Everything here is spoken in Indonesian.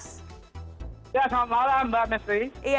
selamat malam mbak mistry